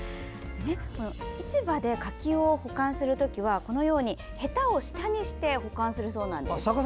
市場で柿を保存するときはへたを下にして保存するそうなんです。